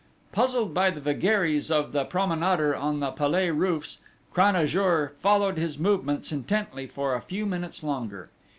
Puzzled by the vagaries of the promenader on the Palais roofs, Cranajour followed his movements intently for a few minutes longer.